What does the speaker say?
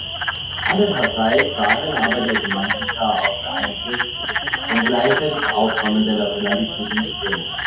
Andererseits waren aber die Romantiker auch beeinflusst von gleichzeitig aufkommenden nationalistischen Strömungen.